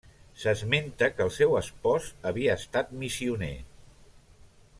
S'esmenta que el seu espòs havia estat missioner.